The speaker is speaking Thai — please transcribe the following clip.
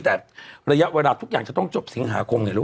แต่ระยะเวลาทุกอย่างจะต้องจบสิงหาคมเนี่ย